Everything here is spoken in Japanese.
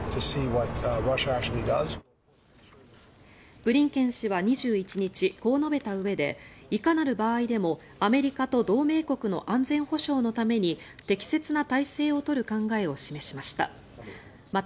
ブリンケン氏は２１日こう述べたうえでいかなる場合でもアメリカと同盟国の安全保障のために適切な体制を取る考えを示しました。